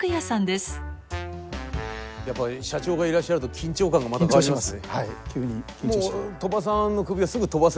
やっぱり社長がいらっしゃると緊張感がまた変わりますね。